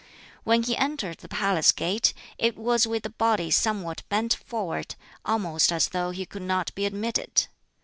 When he entered the palace gate, it was with the body somewhat bent forward, almost as though he could not be admitted.